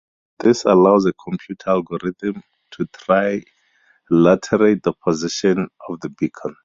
This allows a computer algorithm to trilaterate the position of the beacon.